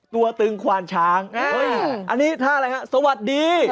ตัวตึงขวานชางอันนี้ท่าอะไรฮะสวัสดี